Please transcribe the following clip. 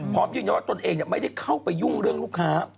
พร้อมอยู่อย่างเงี้ยว่าตนเองเนี่ยไม่ได้เข้าไปยุ่งเรื่องลูกค้า